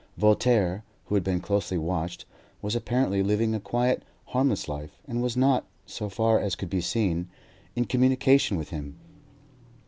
Voltaire, who had been closely watched, was apparently living a quiet, harmless life, and was not, so far as could be seen, in communication with him.